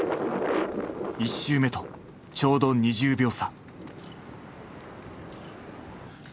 １周目とちょうど２０秒差。